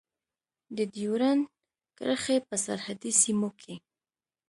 د ډیورند کرښې په سرحدي سیمو کې.